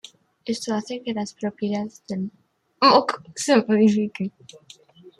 Esto hace que las propiedades del moco se modifiquen.